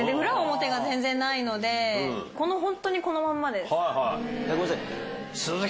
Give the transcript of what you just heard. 裏表が全然ないので、この本当にこのまんまです。